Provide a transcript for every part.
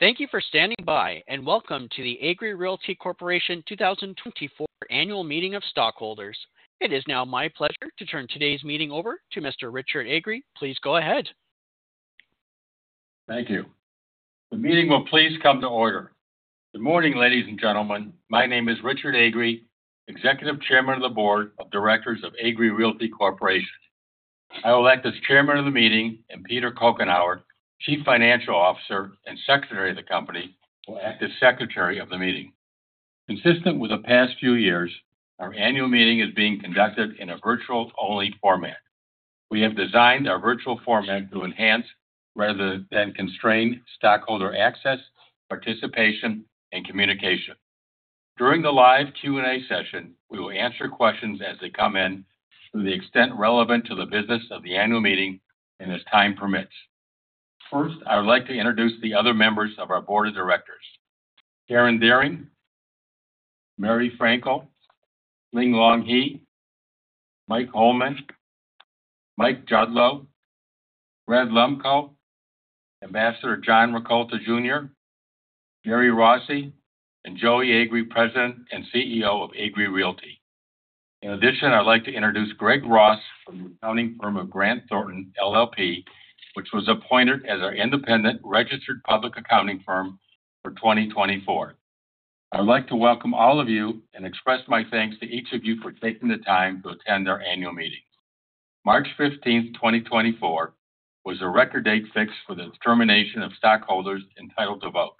Thank you for standing by, and welcome to the Agree Realty Corporation 2024 Annual Meeting of Stockholders. It is now my pleasure to turn today's meeting over to Mr. Richard Agree. Please go ahead. Thank you. The meeting will please come to order. Good morning, ladies and gentlemen. My name is Richard Agree, Executive Chairman of the Board of Directors of Agree Realty Corporation. I will act as chairman of the meeting, and Peter Coughenour, Chief Financial Officer and Secretary of the company, will act as Secretary of the meeting. Consistent with the past few years, our annual meeting is being conducted in a virtual-only format. We have designed our virtual format to enhance rather than constrain stockholder access, participation, and communication. During the live Q&A session, we will answer questions as they come in to the extent relevant to the business of the annual meeting and as time permits. First, I would like to introduce the other members of our board of directors: Karen Dearing, Merrie Frankel, Linglong He, Michael Hollman, Michael Judlowe, Gregory Lehmkuhl, Ambassador John Rakolta Jr., Jerome Rossi, and Joey Agree, President and CEO of Agree Realty. In addition, I'd like to introduce Greg Ross from the accounting firm of Grant Thornton LLP, which was appointed as our independent registered public accounting firm for 2024. I'd like to welcome all of you and express my thanks to each of you for taking the time to attend our annual meeting. March 15, 2024, was a record date fixed for the determination of stockholders entitled to vote.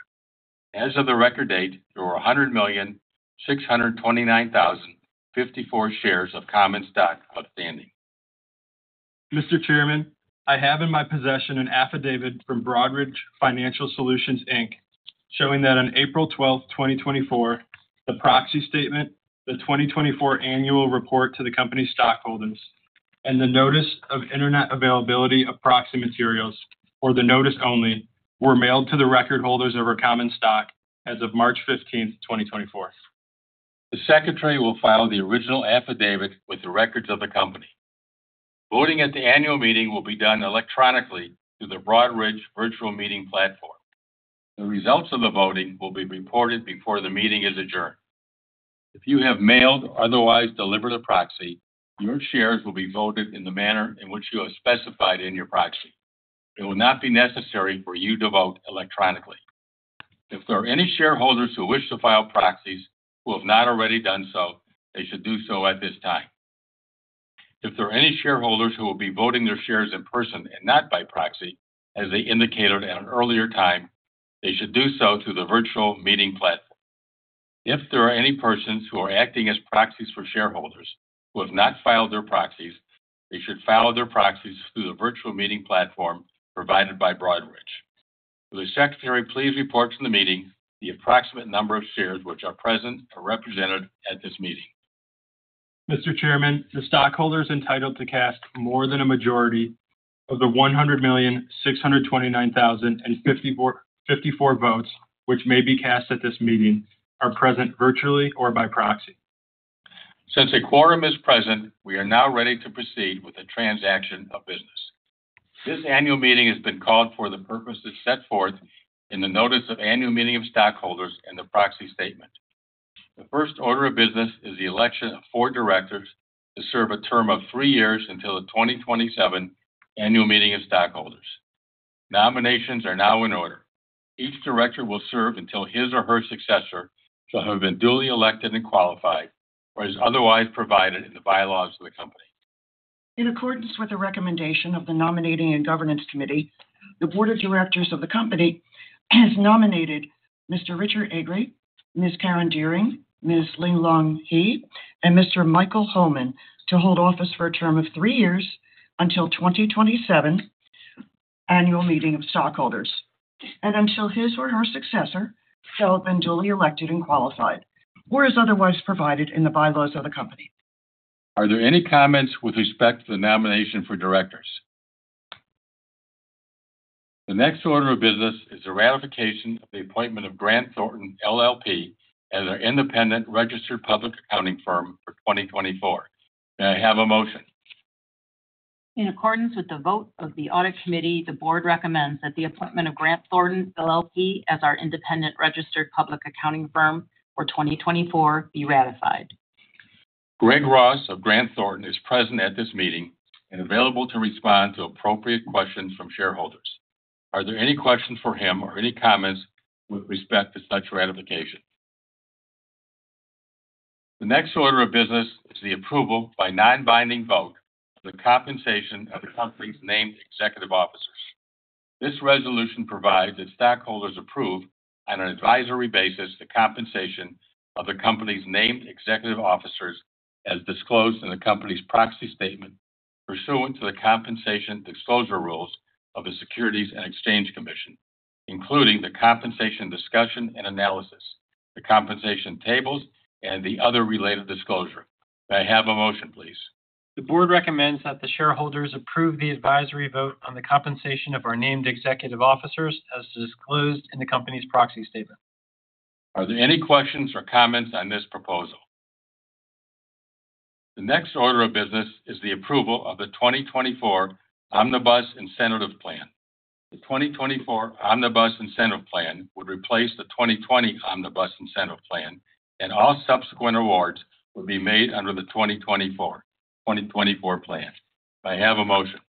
As of the record date, there were 106,629,054 shares of common stock outstanding. Mr. Chairman, I have in my possession an affidavit from Broadridge Financial Solutions, Inc., showing that on April 12, 2024, the proxy statement, the 2024 Annual Report to the company's stockholders, and the Notice of Internet Availability of Proxy Materials, or the notice only, were mailed to the record holders of our common stock as of March 15, 2024. The Secretary will file the original affidavit with the records of the company. Voting at the annual meeting will be done electronically through the Broadridge Virtual Meeting platform. The results of the voting will be reported before the meeting is adjourned. If you have mailed or otherwise delivered a proxy, your shares will be voted in the manner in which you have specified in your proxy. It will not be necessary for you to vote electronically. If there are any shareholders who wish to file proxies who have not already done so, they should do so at this time. If there are any shareholders who will be voting their shares in person and not by proxy, as they indicated at an earlier time, they should do so through the virtual meeting platform. If there are any persons who are acting as proxies for shareholders who have not filed their proxies, they should file their proxies through the virtual meeting platform provided by Broadridge. Will the Secretary please report to the meeting the approximate number of shares which are present or represented at this meeting? Mr. Chairman, the stockholders entitled to cast more than a majority of the 100,629,054 votes, which may be cast at this meeting, are present, virtually or by proxy. Since a quorum is present, we are now ready to proceed with the transaction of business. This annual meeting has been called for the purposes set forth in the notice of annual meeting of stockholders and the proxy statement. The first order of business is the election of four directors to serve a term of three years until the 2027 annual meeting of stockholders. Nominations are now in order. Each director will serve until his or her successor shall have been duly elected and qualified or as otherwise provided in the bylaws of the company. In accordance with the recommendation of the Nominating and Governance Committee, the board of directors of the company has nominated Mr. Richard Agree, Ms. Karen Dearing, Ms. Linglong He, and Mr. Michael Hollman to hold office for a term of three years until 2027 annual meeting of stockholders, and until his or her successor shall have been duly elected and qualified, or as otherwise provided in the bylaws of the company. Are there any comments with respect to the nomination for directors? The next order of business is the ratification of the appointment of Grant Thornton LLP as our independent registered public accounting firm for 2024. May I have a motion? In accordance with the vote of the Audit Committee, the board recommends that the appointment of Grant Thornton LLP as our independent registered public accounting firm for 2024 be ratified. Greg Ross of Grant Thornton is present at this meeting and available to respond to appropriate questions from shareholders. Are there any questions for him or any comments with respect to such ratification? The next order of business is the approval by non-binding vote, the compensation of the company's named executive officers. This resolution provides that stockholders approve on an advisory basis, the compensation of the company's named executive officers, as disclosed in the company's proxy statement, pursuant to the compensation disclosure rules of the Securities and Exchange Commission, including the compensation discussion and analysis, the compensation tables, and the other related disclosure. May I have a motion, please? The board recommends that the shareholders approve the advisory vote on the compensation of our Named Executive Officers, as disclosed in the company's Proxy Statement. Are there any questions or comments on this proposal? The next order of business is the approval of the 2024 Omnibus Incentive Plan. The 2024 Omnibus Incentive Plan would replace the 2020 Omnibus Incentive Plan, and all subsequent awards will be made under the 2024, 2024 plan. I have a motion.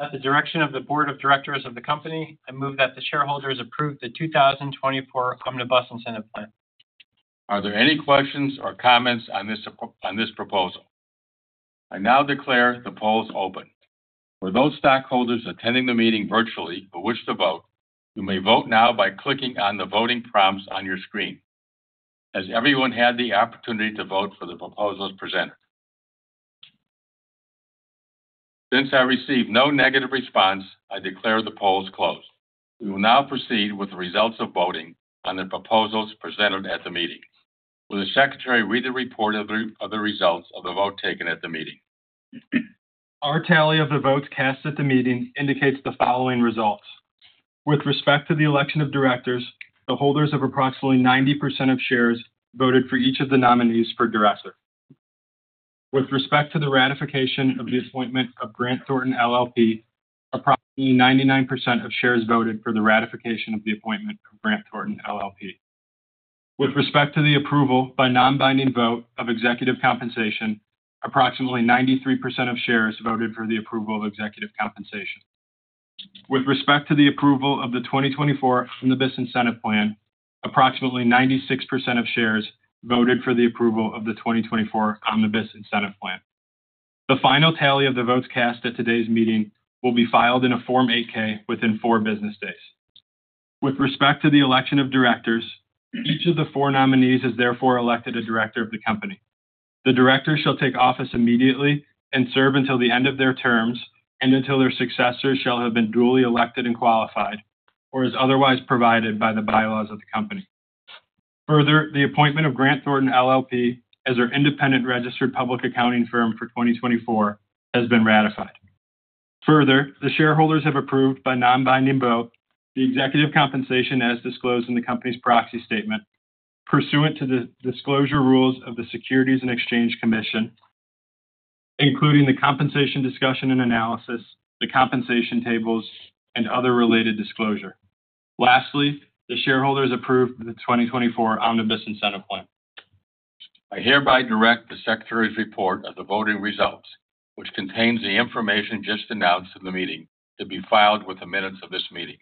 At the direction of the board of directors of the company, I move that the shareholders approve the 2024 Omnibus Incentive Plan. Are there any questions or comments on this proposal? I now declare the polls open. For those stockholders attending the meeting virtually who wish to vote, you may vote now by clicking on the voting prompts on your screen. Has everyone had the opportunity to vote for the proposals presented? Since I received no negative response, I declare the polls closed. We will now proceed with the results of voting on the proposals presented at the meeting. Will the secretary read the report of the results of the vote taken at the meeting? Our tally of the votes cast at the meeting indicates the following results: With respect to the election of directors, the holders of approximately 90% of shares voted for each of the nominees for director. With respect to the ratification of the appointment of Grant Thornton LLP, approximately 99% of shares voted for the ratification of the appointment of Grant Thornton LLP. With respect to the approval by non-binding vote of executive compensation, approximately 93% of shares voted for the approval of executive compensation. With respect to the approval of the 2024 Omnibus Incentive Plan, approximately 96% of shares voted for the approval of the 2024 Omnibus Incentive Plan. The final tally of the votes cast at today's meeting will be filed in a Form 8-K within 4 business days. With respect to the election of directors, each of the four nominees has therefore elected a director of the company. The director shall take office immediately and serve until the end of their terms and until their successors shall have been duly elected and qualified, or as otherwise provided by the bylaws of the company. Further, the appointment of Grant Thornton LLP as our independent registered public accounting firm for 2024 has been ratified. Further, the shareholders have approved by non-binding vote the executive compensation as disclosed in the company's proxy statement, pursuant to the disclosure rules of the Securities and Exchange Commission, including the Compensation Discussion and Analysis, the compensation tables, and other related disclosure. Lastly, the shareholders approved the 2024 Omnibus Incentive Plan. I hereby direct the secretary's report of the voting results, which contains the information just announced in the meeting, to be filed with the minutes of this meeting.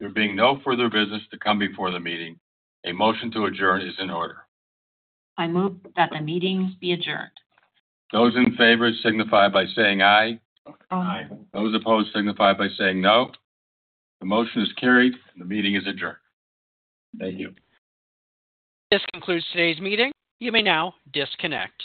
There being no further business to come before the meeting, a motion to adjourn is in order. I move that the meeting be adjourned. Those in favor signify by saying aye. Aye. Those opposed signify by saying no. The motion is carried, and the meeting is adjourned. Thank you. This concludes today's meeting. You may now disconnect.